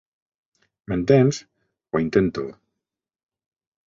M'entens? Ho intento.